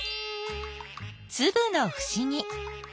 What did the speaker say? つぶのふしぎ。